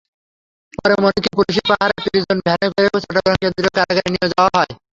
পরে মনিরকে পুলিশি পাহারায় প্রিজন ভ্যানে করে চট্টগ্রাম কেন্দ্রীয় কারাগারে নিয়ে যাওয়া হয়।